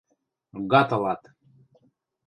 Гад ылат!..